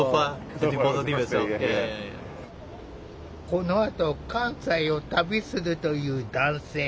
このあと関西を旅するという男性。